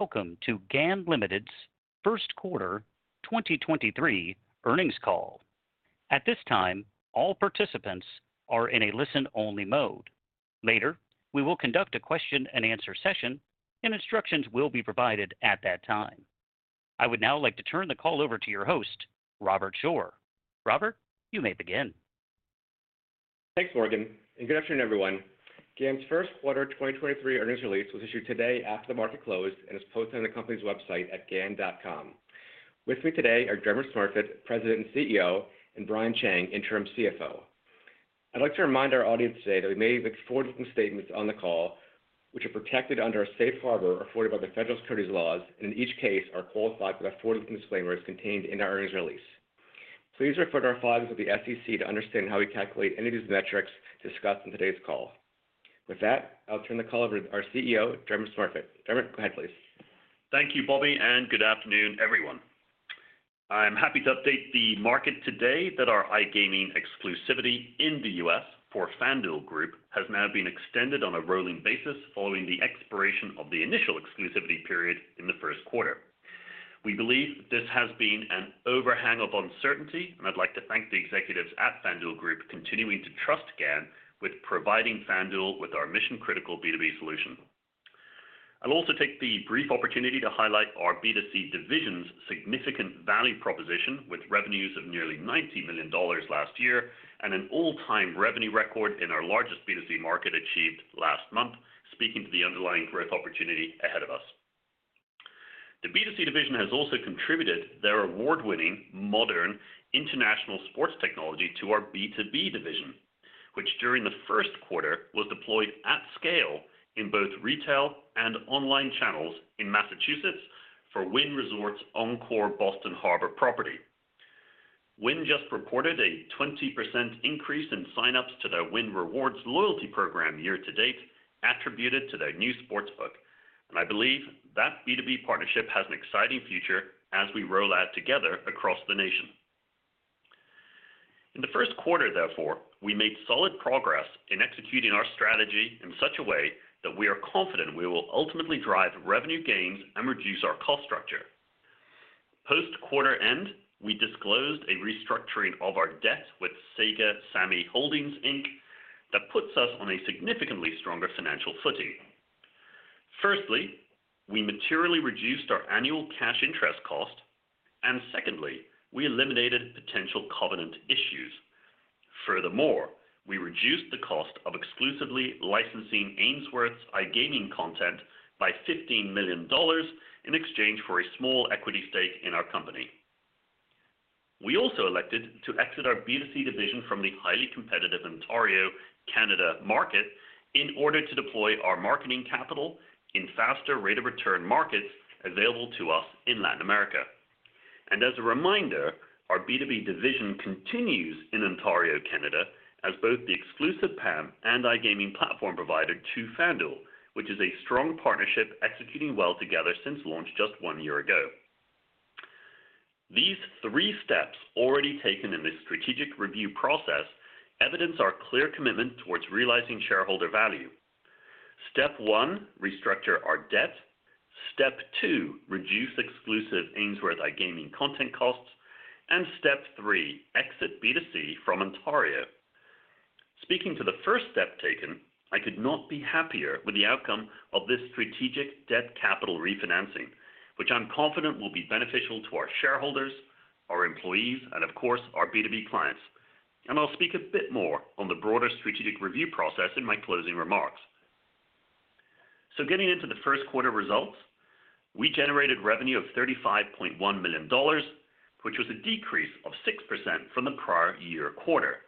Welcome to GAN Limited's first quarter 2023 earnings call. At this time, all participants are in a listen-only mode. Later, we will conduct a question and answer session, and instructions will be provided at that time. I would now like to turn the call over to your host, Robert Shore. Robert, you may begin. Thanks, Morgan. Good afternoon, everyone. GAN's first quarter 2023 earnings release was issued today after the market closed and is posted on the company's website at gan.com. With me today are Dermot Smurfit, President and CEO, and Brian Chang, Interim CFO. I'd like to remind our audience today that we may make forward-looking statements on the call, which are protected under our safe harbor afforded by the Federal Securities laws and in each case are qualified by forward-looking disclaimers contained in our earnings release. Please refer to our filings with the SEC to understand how we calculate any of these metrics discussed in today's call. With that, I'll turn the call over to our CEO, Dermot Smurfit. Dermot, go ahead, please. Thank you, Bobby, and good afternoon, everyone. I'm happy to update the market today that our iGaming exclusivity in The U.S. for FanDuel Group has now been extended on a rolling basis following the expiration of the initial exclusivity period in the first quarter. We believe this has been an overhang of uncertainty, and I'd like to thank the executives at FanDuel Group continuing to trust GAN with providing FanDuel with our mission-critical B2B solution. I'll also take the brief opportunity to highlight our B2C division's significant value proposition with revenues of nearly $90 million last year and an all-time revenue record in our largest B2C market achieved last month, speaking to the underlying growth opportunity ahead of us. The B2C division has also contributed their award-winning modern international sports technology to our B2B division, which during the first quarter was deployed at scale in both retail and online channels in Massachusetts for Wynn Resorts' Encore Boston Harbor property. Wynn just reported a 20% increase in sign-ups to their Wynn Rewards loyalty program year to date attributed to their new sports book. I believe that B2B partnership has an exciting future as we roll out together across the nation. In the first quarter, therefore, we made solid progress in executing our strategy in such a way that we are confident we will ultimately drive revenue gains and reduce our cost structure. Post-quarter end, we disclosed a restructuring of our debt with SEGA SAMMY HOLDINGS INC. That puts us on a significantly stronger financial footing. Firstly, we materially reduced our annual cash interest cost. Secondly, we eliminated potential covenant issues. Furthermore, we reduced the cost of exclusively licensing Ainsworth's iGaming content by $15 million in exchange for a small equity stake in our company. We also elected to exit our B2C division from the highly competitive Ontario, Canada market in order to deploy our marketing capital in faster rate of return markets available to us in Latin America. As a reminder, our B2B division continues in Ontario, Canada, as both the exclusive PAM and iGaming platform provider to FanDuel, which is a strong partnership executing well together since launch just one year ago. These three steps already taken in this strategic review process evidence our clear commitment towards realizing shareholder value. Step one, restructure our debt. Step two, reduce exclusive Ainsworth iGaming content costs. Step three, exit B2C from Ontario. Speaking to the first step taken, I could not be happier with the outcome of this strategic debt capital refinancing, which I'm confident will be beneficial to our shareholders, our employees, and of course, our B2B clients. I'll speak a bit more on the broader strategic review process in my closing remarks. Getting into the first quarter results, we generated revenue of $35.1 million, which was a decrease of 6% from the prior year quarter.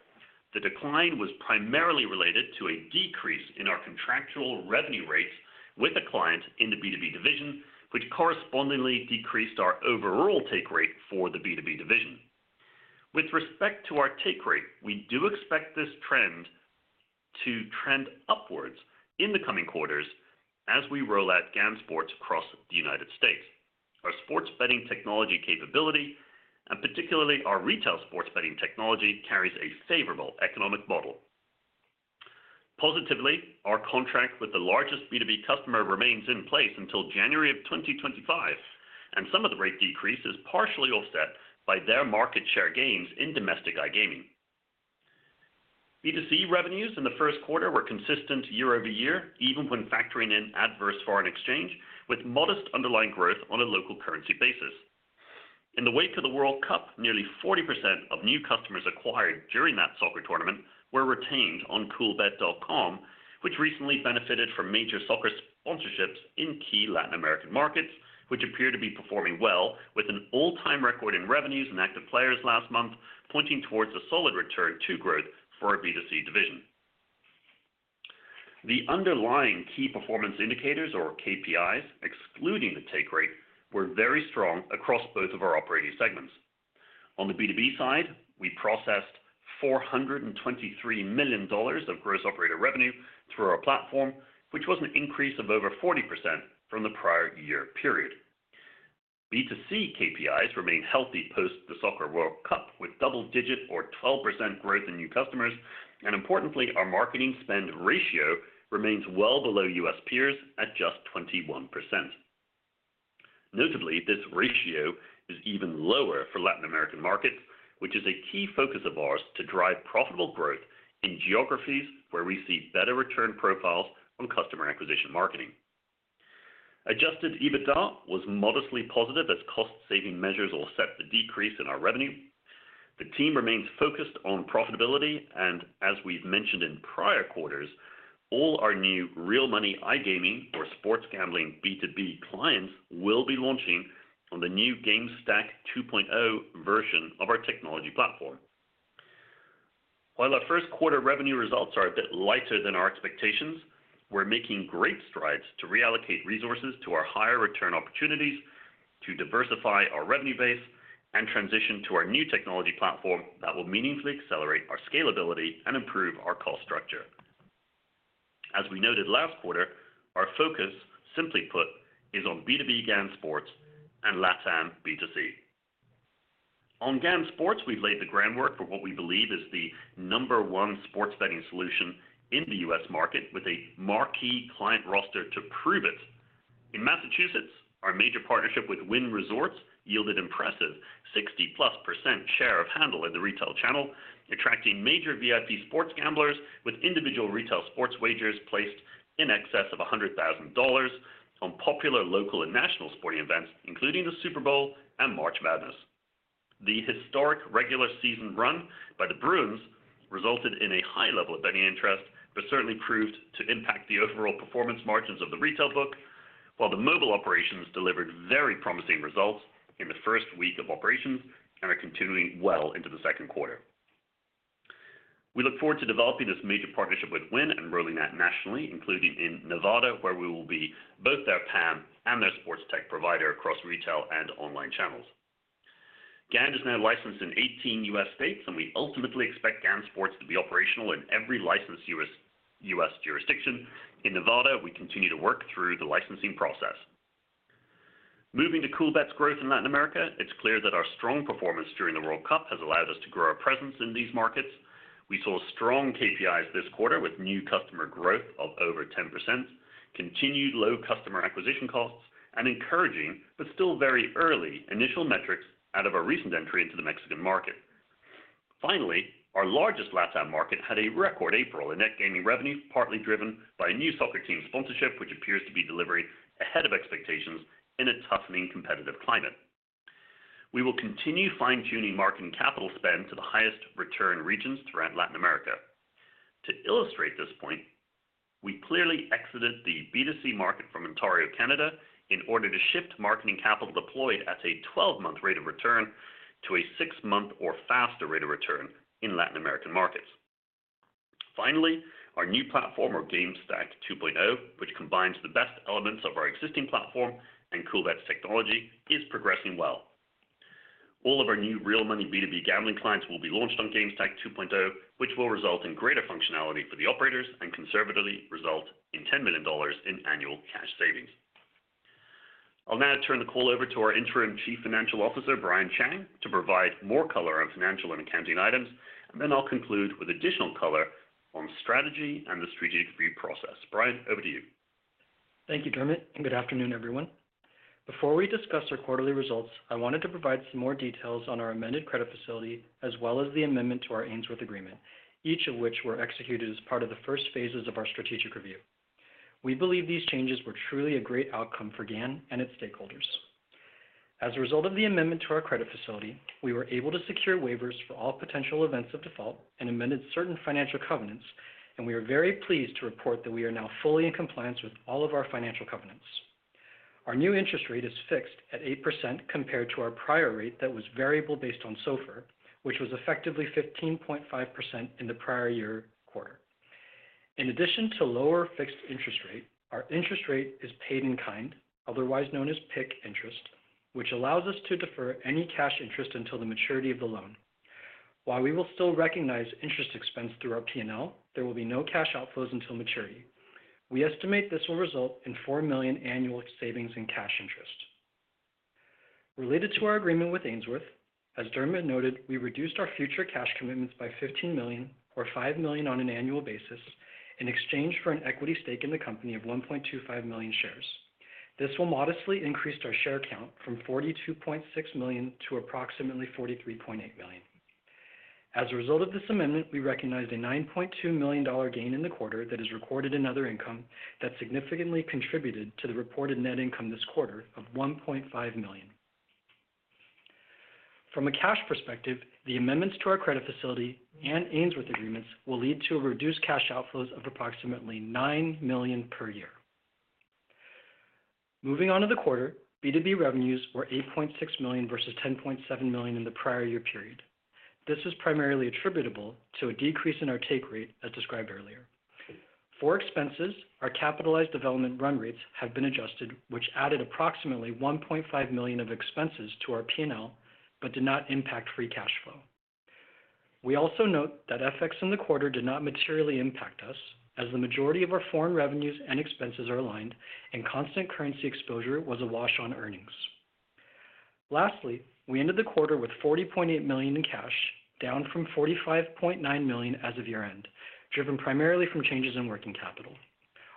The decline was primarily related to a decrease in our contractual revenue rates with a client in the B2B division, which correspondingly decreased our overall take rate for the B2B division. With respect to our take rate, we do expect this trend to trend upwards in the coming quarters as we roll out GAN Sports across the United States. Our sports betting technology capability, and particularly our retail sports betting technology, carries a favorable economic model. Positively, our contract with the largest B2B customer remains in place until January of 2025, and some of the rate decrease is partially offset by their market share gains in domestic iGaming. B2C revenues in the first quarter were consistent year-over-year, even when factoring in adverse foreign exchange, with modest underlying growth on a local currency basis. In the wake of the World Cup, nearly 40% of new customers acquired during that soccer tournament were retained on Coolbet.com, which recently benefited from major soccer sponsorships in key Latin American markets, which appear to be performing well with an all-time recording revenues and active players last month, pointing towards a solid return to growth for our B2C division. The underlying Key Performance Indicators or KPIs, excluding the take rate, were very strong across both of our operating segments. On the B2B side, we processed $423 million of gross operator revenue through our platform, which was an increase of over 40% from the prior year period. B2C KPIs remain healthy post the World Cup with double-digit or 12% growth in new customers. Importantly, our marketing spend ratio remains well below US peers at just 21%. Notably, this ratio is even lower for Latin American markets, which is a key focus of ours to drive profitable growth in geographies where we see better return profiles on customer acquisition marketing. Adjusted EBITDA was modestly positive as cost saving measures will set the decrease in our revenue. The team remains focused on profitability, and as we've mentioned in prior quarters, all our new real money iGaming or sports gambling B2B clients will be launching on the new GameStack 2.0 version of our technology platform. While our first quarter revenue results are a bit lighter than our expectations, we're making great strides to reallocate resources to our higher return opportunities to diversify our revenue base and transition to our new technology platform that will meaningfully accelerate our scalability and improve our cost structure. As we noted last quarter, our focus, simply put, is on B2B GAN Sports and LatAm B2C. On GAN Sports, we've laid the groundwork for what we believe is the number one sports betting solution in The U.S. market with a marquee client roster to prove it. In Massachusetts, our major partnership with Wynn Resorts yielded impressive 60%+ share of handle in the retail channel, attracting major VIP sports gamblers with individual retail sports wagers placed in excess of $100,000 on popular local and national sporting events, including the Super Bowl and March Madness. The historic regular season run by the Bruins resulted in a high level of betting interest, but certainly proved to impact the overall performance margins of the retail book. While the mobile operations delivered very promising results in the first week of operations and are continuing well into the second quarter. We look forward to developing this major partnership with Wynn and rolling that nationally, including in Nevada, where we will be both their PAM and their sports tech provider across retail and online channels. GAN is now licensed in 18 US states. We ultimately expect GAN Sports to be operational in every licensed US jurisdiction. In Nevada, we continue to work through the licensing process. Moving to Coolbet's growth in Latin America, it's clear that our strong performance during the World Cup has allowed us to grow our presence in these markets. We saw strong KPIs this quarter with new customer growth of over 10%, continued low customer acquisition costs, encouraging, but still very early initial metrics out of our recent entry into the Mexican market. Finally, our largest LatAm market had a record April in net gaming revenue, partly driven by a new soccer team sponsorship, which appears to be delivering ahead of expectations in a toughening competitive climate. We will continue fine-tuning marketing capital spend to the highest return regions throughout Latin America. To illustrate this point, we clearly exited the B2C market from Ontario, Canada in order to shift marketing capital deployed at a 12-month rate of return to a six-month or faster rate of return in Latin American markets. Our new platform of GameSTACK 2.0, which combines the best elements of our existing platform and Coolbet's technology, is progressing well. All of our new real money B2B gambling clients will be launched on GameStack 2.0, which will result in greater functionality for the operators and conservatively result in $10 million in annual cash savings. I'll now turn the call over to our Interim Chief Financial Officer, Brian Chang, to provide more color on financial and accounting items. I'll conclude with additional color on strategy and the strategic review process. Brian, over to you. Thank you, Dermot, and good afternoon, everyone. Before we discuss our quarterly results, I wanted to provide some more details on our amended credit facility, as well as the amendment to our Ainsworth agreement, each of which were executed as part of the first phases of our strategic review. We believe these changes were truly a great outcome for GAN and its stakeholders. As a result of the amendment to our credit facility, we were able to secure waivers for all potential events of default and amended certain financial covenants, and we are very pleased to report that we are now fully in compliance with all of our financial covenants. Our new interest rate is fixed at 8% compared to our prior rate that was variable based on SOFR, which was effectively 15.5% in the prior year quarter. In addition to lower fixed interest rate, our interest rate is paid in kind, otherwise known as PIK interest, which allows us to defer any cash interest until the maturity of the loan. While we will still recognize interest expense through our P&L, there will be no cash outflows until maturity. We estimate this will result in $4 million annual savings in cash interest. Related to our agreement with Ainsworth, as Dermot noted, we reduced our future cash commitments by $15 million or $5 million on an annual basis in exchange for an equity stake in the company of 1.25 million shares. This will modestly increase our share count from 42.6 million to approximately 43.8 million. As a result of this amendment, we recognized a $9.2 million gain in the quarter that is recorded in other income that significantly contributed to the reported net income this quarter of $1.5 million. From a cash perspective, the amendments to our credit facility and Ainsworth agreements will lead to a reduced cash outflows of approximately $9 million per year. Moving on to the quarter, B2B revenues were $8.6 million versus $10.7 million in the prior year period. This is primarily attributable to a decrease in our take rate, as described earlier. For expenses, our capitalized development run rates have been adjusted, which added approximately $1.5 million of expenses to our P&L, but did not impact free cash flow. We also note that FX in the quarter did not materially impact us as the majority of our foreign revenues and expenses are aligned and constant currency exposure was a wash on earnings. Lastly, we ended the quarter with $40.8 million in cash, down from $45.9 million as of year-end, driven primarily from changes in working capital.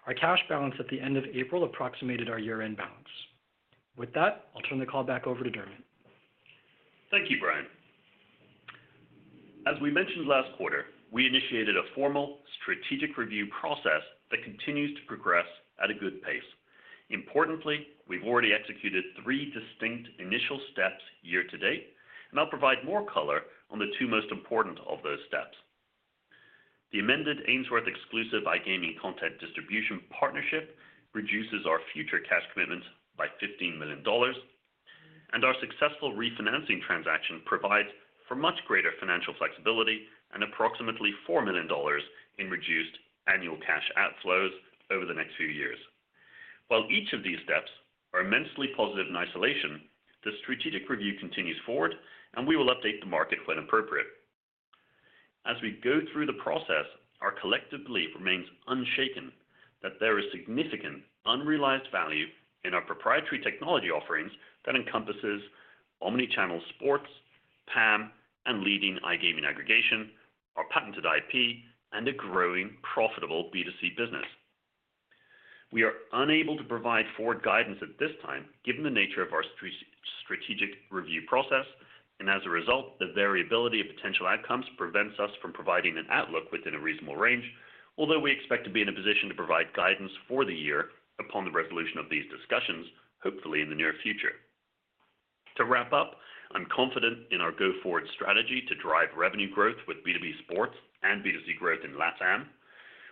Our cash balance at the end of April approximated our year-end balance. With that, I'll turn the call back over to Dermot. Thank you, Brian. As we mentioned last quarter, we initiated a formal strategic review process that continues to progress at a good pace. Importantly, we've already executed three distinct initial steps year to date, and I'll provide more color on the two most important of those steps. The amended Ainsworth exclusive iGaming content distribution partnership reduces our future cash commitments by $15 million, and our successful refinancing transaction provides for much greater financial flexibility and approximately $4 million in reduced annual cash outflows over the next few years. While each of these steps are immensely positive in isolation, the strategic review continues forward and we will update the market when appropriate. As we go through the process, our collective belief remains unshaken that there is significant unrealized value in our proprietary technology offerings that encompasses omni-channel sports, PAM, and leading iGaming aggregation, our patented IP, and a growing profitable B2C business. We are unable to provide forward guidance at this time, given the nature of our strategic review process, and as a result, the variability of potential outcomes prevents us from providing an outlook within a reasonable range. Although we expect to be in a position to provide guidance for the year upon the resolution of these discussions, hopefully in the near future. To wrap up, I'm confident in our go-forward strategy to drive revenue growth with B2B sports and B2C growth in LATAM.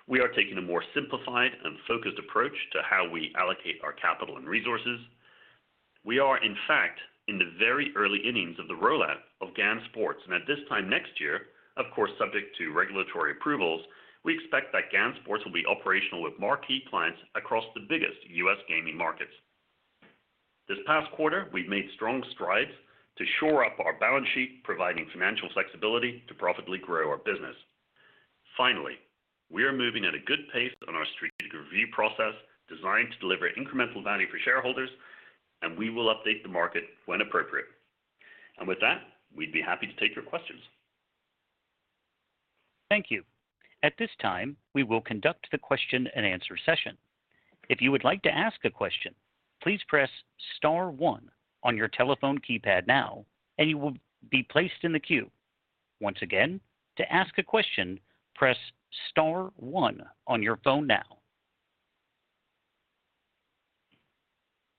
We are taking a more simplified and focused approach to how we allocate our capital and resources. We are, in fact, in the very early innings of the rollout of GAN Sports. At this time next year, of course subject to regulatory approvals, we expect that GAN Sports will be operational with marquee clients across the biggest US gaming markets. This past quarter, we've made strong strides to shore up our balance sheet, providing financial flexibility to profitably grow our business. Finally, we are moving at a good pace on our strategic review process designed to deliver incremental value for shareholders. We will update the market when appropriate. With that, we'd be happy to take your questions. Thank you. At this time, we will conduct the question-and-answer session. If you would like to ask a question, please press star one on your telephone keypad now and you will be placed in the queue. Once again, to ask a question, press star one on your phone now.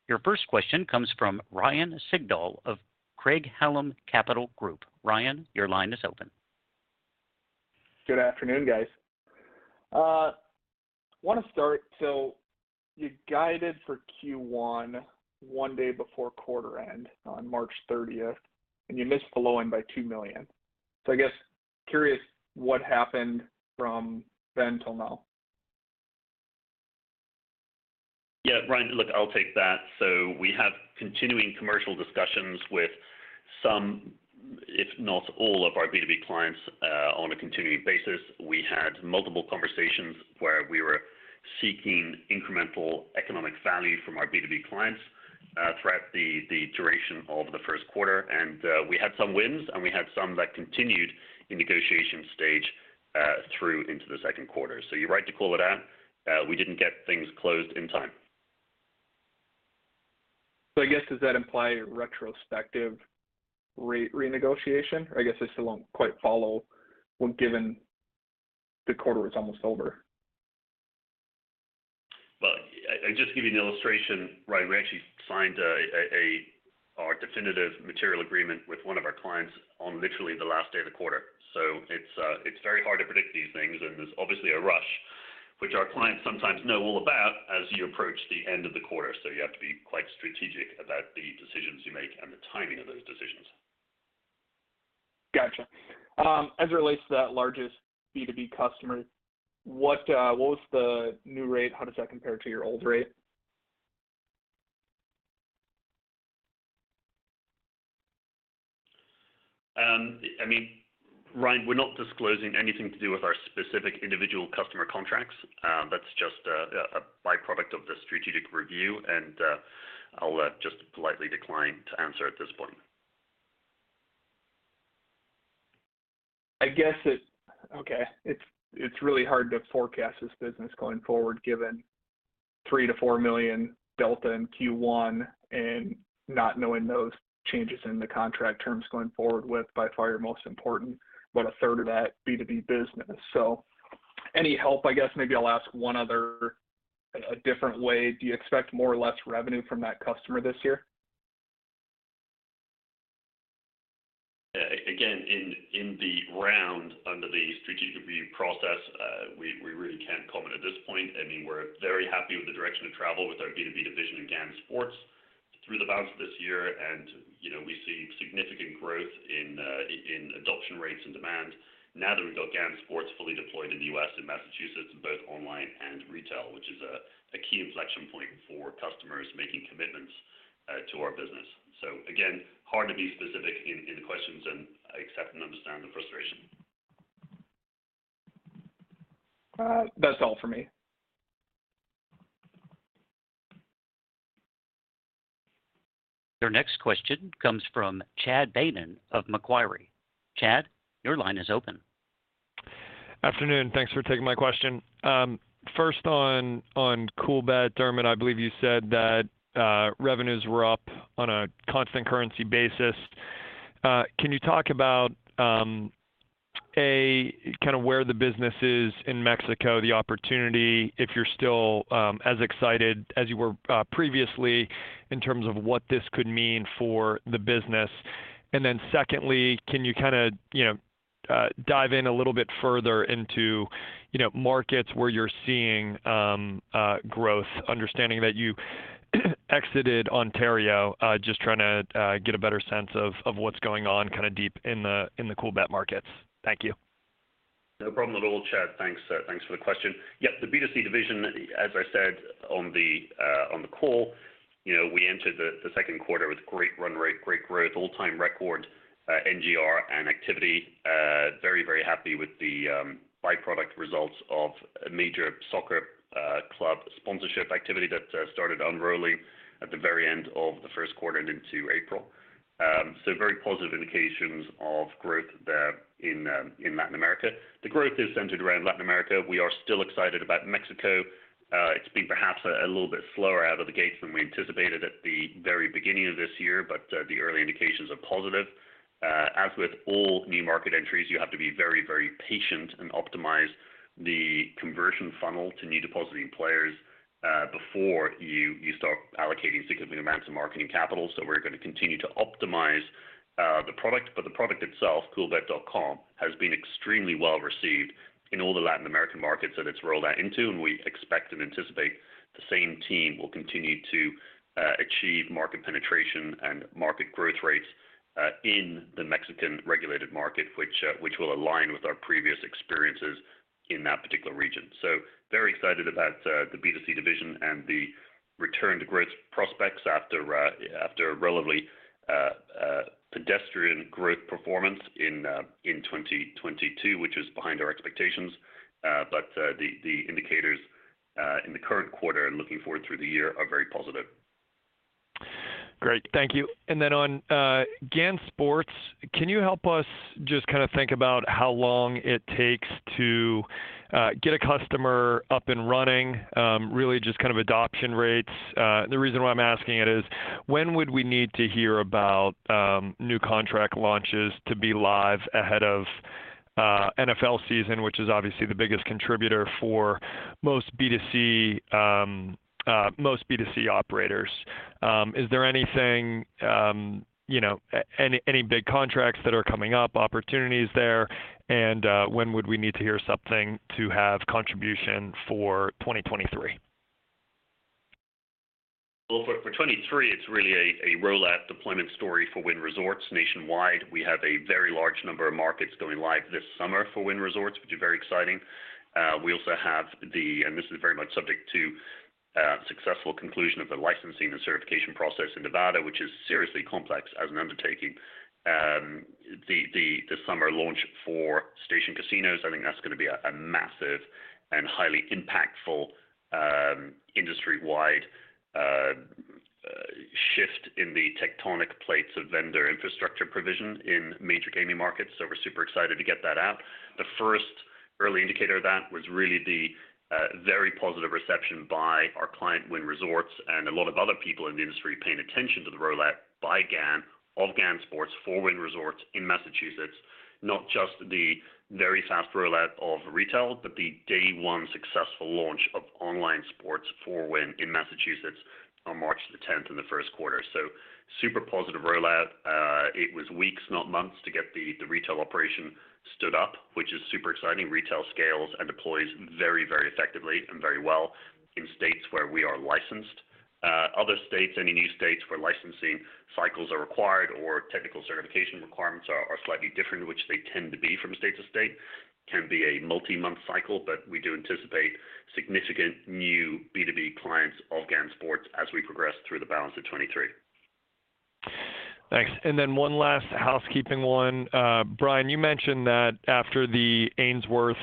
Your first question comes from Ryan Sigdahl of Craig-Hallum Capital Group. Ryan, your line is open. Good afternoon, guys. want to start, you guided for Q1 one day before quarter end on March 30th, and you missed the low end by $2 million. I guess curious what happened from then till now? Yeah. Ryan, look, I'll take that. We have continuing commercial discussions with some, if not all, of our B2B clients on a continuing basis. We had multiple conversations where we were seeking incremental economic value from our B2B clients throughout the duration of the first quarter, and we had some wins, and we had some that continued in negotiation stage through into the second quarter. You're right to call it out. We didn't get things closed in time. I guess, does that imply retrospective renegotiation? I guess I still don't quite follow when given the quarter was almost over. Well, I just give you an illustration, Ryan. We actually signed a definitive material agreement with one of our clients on literally the last day of the quarter. It's very hard to predict these things, and there's obviously a rush, which our clients sometimes know all about as you approach the end of the quarter. You have to be quite strategic about the decisions you make and the timing of those decisions. Gotcha. As it relates to that largest B2B customer, what was the new rate? How does that compare to your old rate? I mean, Ryan, we're not disclosing anything to do with our specific individual customer contracts. That's just a byproduct of the strategic review, and I'll just politely decline to answer at this point. Okay. It's really hard to forecast this business going forward, given $3 million-$4 million delta in Q1 and not knowing those changes in the contract terms going forward with by far your most important, about a third of that B2B business. Any help? I guess maybe I'll ask one other a different way. Do you expect more or less revenue from that customer this year? Again, in the round under the strategic review process, we really can't comment at this point. I mean, we're very happy with the direction of travel with our B2B division in GAN Sports through the balance of this year. You know, we see significant growth in adoption rates and demand now that we've got GAN Sports fully deployed in The U.S. and Massachusetts, both online and retail, which is a key inflection point for customers making commitments to our business. Again, hard to be specific in the questions, and I accept and understand the frustration. That's all for me. Your next question comes from Chad Beynon of Macquarie. Chad, your line is open. Afternoon. Thanks for taking my question. First on Coolbet, Dermot, I believe you said that revenues were up on a constant currency basis. Can you talk about kinda where the business is in Mexico, the opportunity, if you're still as excited as you were previously in terms of what this could mean for the business? Then secondly, can you kinda, you know, dive in a little bit further into, you know, markets where you're seeing growth, understanding that you exited Ontario? Just trying to get a better sense of what's going on, kinda deep in the Coolbet markets. Thank you. No problem at all, Chad Beynon. Thanks. Thanks for the question. The B2C division, as I said on the call, you know, we entered the second quarter with great run rate, great growth, all-time record NGR and activity. Very, very happy with the by-product results of a major soccer club sponsorship activity that started unrolling at the very end of the first quarter and into April. Very positive indications of growth there in Latin America. The growth is centered around Latin America. We are still excited about Mexico. It's been perhaps a little bit slower out of the gates than we anticipated at the very beginning of this year, but the early indications are positive. As with all new market entries, you have to be very, very patient and optimize the conversion funnel to new depositing players before you start allocating significant amounts of marketing capital. We're gonna continue to optimize the product. The product itself, Coolbet.com, has been extremely well-received in all the Latin American markets that it's rolled out into, and we expect and anticipate the same team will continue to achieve market penetration and market growth rates in the Mexican regulated market, which will align with our previous experiences in that particular region. Very excited about the B2C division and the return to growth prospects after a relatively pedestrian growth performance in 2022, which was behind our expectations. The indicators, in the current quarter and looking forward through the year are very positive. Great. Thank you. Then on GAN Sports, can you help us just kinda think about how long it takes to get a customer up and running, really just kind of adoption rates? The reason why I'm asking it is, when would we need to hear about new contract launches to be live ahead of NFL season, which is obviously the biggest contributor for most B2C operators? Is there anything, you know, any big contracts that are coming up, opportunities there, and when would we need to hear something to have contribution for 2023? Well, for 23, it's really a rollout deployment story for Wynn Resorts nationwide. We have a very large number of markets going live this summer for Wynn Resorts, which is very exciting. We also have and this is very much subject to successful conclusion of the licensing and certification process in Nevada, which is seriously complex as an undertaking. The summer launch for Station Casinos, I think that's gonna be a massive and highly impactful industry-wide shift in the tectonic plates of vendor infrastructure provision in major gaming markets. We're super excited to get that out. The first early indicator of that was really the very positive reception by our client, Wynn Resorts, and a lot of other people in the industry paying attention to the rollout by GAN, of GAN Sports, for Wynn Resorts in Massachusetts, not just the very fast rollout of retail, but the day one successful launch of online sports for Wynn in Massachusetts on March the 10th, in the first quarter. Super positive rollout. It was weeks, not months, to get the retail operation stood up, which is super exciting. Retail scales and deploys very, very effectively and very well in states where we are licensed. Other states, any new states where licensing cycles are required or technical certification requirements are slightly different, which they tend to be from state to state, can be a multi-month cycle. We do anticipate significant new B2B clients of GAN Sports as we progress through the balance of 2023. Thanks. One last housekeeping one. Brian, you mentioned that after the Ainsworth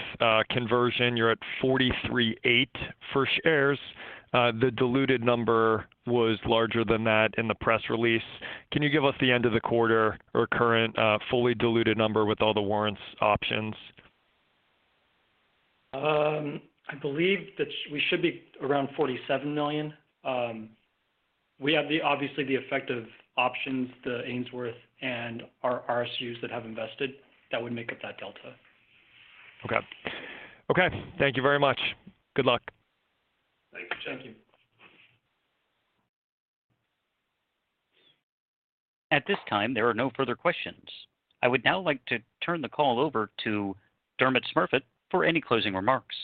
conversion, you're at 43.8 for shares. The diluted number was larger than that in the press release. Can you give us the end of the quarter or current, fully diluted number with all the warrants options? I believe that we should be around $47 million. We have the, obviously, the effect of options, the Ainsworth and our RSUs that have invested that would make up that delta. Okay. Okay, thank you very much. Good luck. Thank you, Chad. Thank you. At this time, there are no further questions. I would now like to turn the call over to Dermot Smurfit for any closing remarks.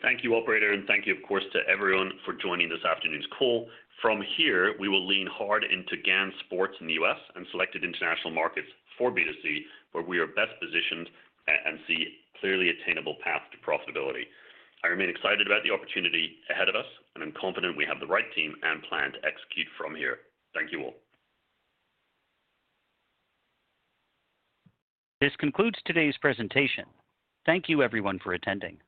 Thank you, operator, and thank you, of course, to everyone for joining this afternoon's call. From here, we will lean hard into GAN Sports in The U.S. and selected international markets for B2C, where we are best positioned and see clearly attainable path to profitability. I remain excited about the opportunity ahead of us, and I'm confident we have the right team and plan to execute from here. Thank you all. This concludes today's presentation. Thank you everyone for attending.